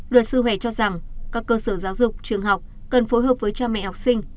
luật sư huệ cho rằng các cơ sở giáo dục trường học cần phối hợp với cha mẹ học sinh